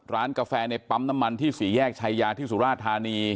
กาแฟในปั๊มน้ำมันที่สี่แยกชายาที่สุราธานี